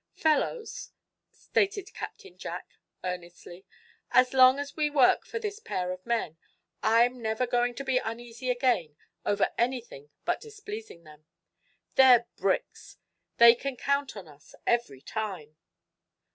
"Fellows," stated Captain Jack, earnestly, "as long as we work for this pair of men I'm never going to be uneasy again over anything but displeasing them. They're bricks! They can count on us, every time!"